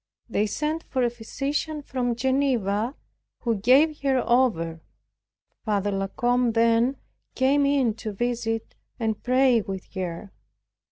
They sent for a physician from Geneva, who gave her over. Father La Combe then came in to visit, and pray with her.